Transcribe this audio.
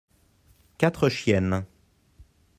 quatre chiennes.